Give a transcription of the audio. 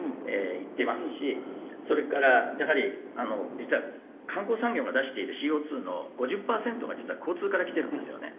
行ってますしそれからやはり実は観光産業が出しているＣＯ２の５０パーセントが実は交通からきてるんですよね。